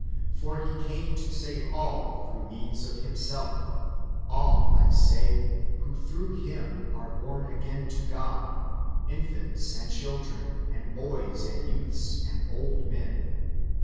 For He came to save all throuo; li means of Him self — all, I say, who through Him are born again to God ^— infants/ and children, and boys, and youths, and old men.